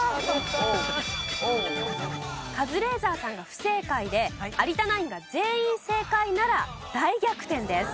カズレーザーさんが不正解で有田ナインが全員正解なら大逆転です。